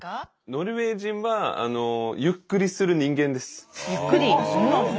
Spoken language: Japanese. ノルウェー人はゆっくりする人間です。